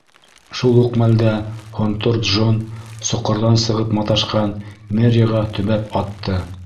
Шул уҡ мәлдә Һонтор Джон соҡорҙан сығып маташҡан Мерриға төбәп атты.